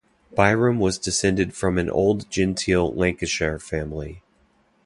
Byrom was descended from an old genteel Lancashire family.